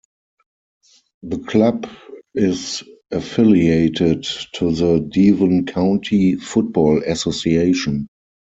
The club is affiliated to the Devon County Football Association.